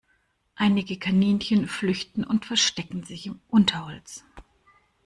Einige Kaninchen flüchten und verstecken sich im Unterholz.